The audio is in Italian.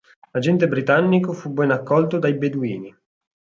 L'agente britannico fu ben accolto dai beduini.